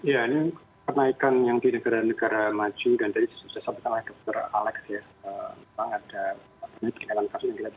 ya ini kenaikan yang di negara negara maju